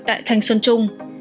tại thanh xuân trung